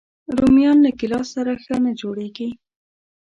رومیان له ګیلاس سره ښه نه جوړيږي